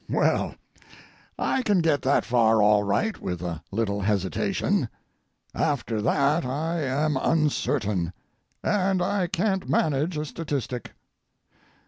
Well, I can get that far all right with a little hesitation. After that I am uncertain, and I can't manage a statistic.